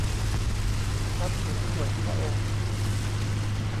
ทรัพย์สินส่วนพระองค์